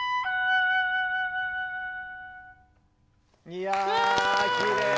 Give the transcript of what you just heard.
いやあきれい。